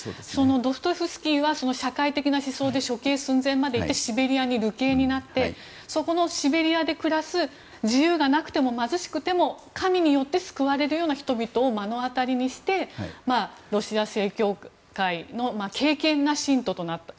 ドストエフスキーは社会的な思想で処刑寸前まで行ってシベリアへ流刑になってそこのシベリアで暮らす自由がなくても貧しくても神によって救われるような人々を目の当たりにしてロシア正教会の敬虔な信徒となった。